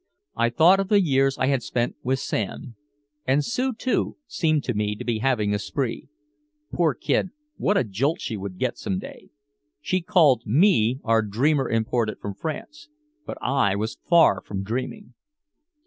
I thought of the years I had spent with Sam and Sue, too, seemed to me to be having a spree. Poor kid, what a jolt she would get some day. She called me "our dreamer imported from France." But I was far from dreaming.